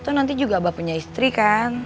nanti juga abah punya istri kan